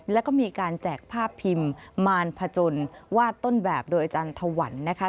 แล้วก็มีการแจกภาพพิมพ์มารพจนวาดต้นแบบโดยอาจารย์ถวันนะคะ